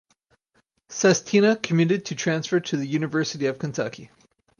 Sestina committed to transfer to the University of Kentucky.